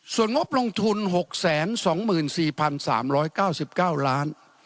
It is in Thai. ส่วนงบลงทุน๖๒๔๓๙๙ล้าน